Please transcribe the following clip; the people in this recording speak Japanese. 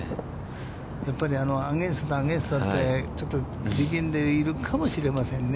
やっぱりアゲインストとアゲインストで、ちょっと力んでいるかもしれませんね。